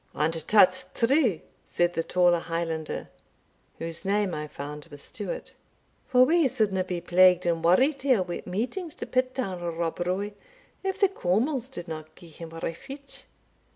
"And tat's true," said the taller Highlander whose name I found was Stewart "for we suldna be plagued and worried here wi' meetings to pit down Rob Roy, if the Cawmils didna gie him refutch.